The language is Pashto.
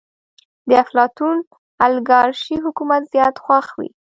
د افلاطون اليګارشي حکومت زيات خوښ وي.